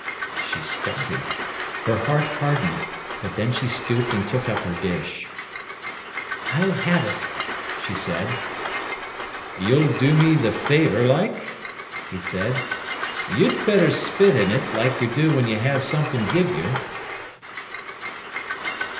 She started. Her heart hardened; but then she stooped and took up her dish. "I'll have it," she said. "Yer'll do me the favour, like?" he said. "Yer'd better spit in it, like yer do when y'ave something give yer."